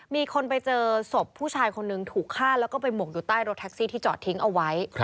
มีคนไปเจอศพผู้ชายคนนึงถูกฆ่าแล้วก็ไปหมกอยู่ใต้รถแท็กซี่ที่จอดทิ้งเอาไว้